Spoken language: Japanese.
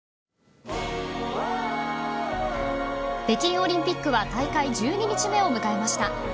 北京オリンピックは大会１２日目を迎えました。